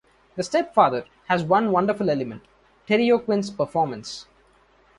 "The Stepfather" has one wonderful element: Terry O'Quinn's performance.